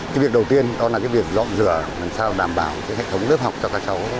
cái việc đầu tiên đó là cái việc dọn rửa làm sao đảm bảo cái hệ thống lớp học cho các cháu